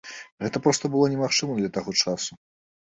Гэта проста было немагчыма для таго часу.